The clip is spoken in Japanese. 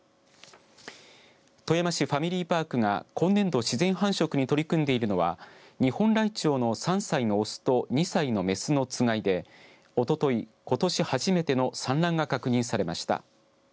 富山市ファミリーパークが今年度自然繁殖に取り組んでいるのはニホンライチョウの３歳のオスと２歳のメスのつがいでおととい、ことし初めての産卵が確認されました。